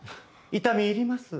痛み入ります。